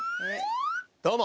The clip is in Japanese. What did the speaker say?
どうも。